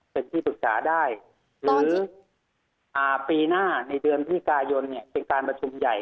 เป็นที่ปรึกษาได้